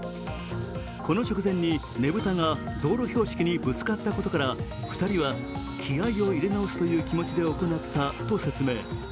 この直前、ねぶたが道路標識にぶつかったことから２人は気合いを入れ直すという気持ちで行ったと説明。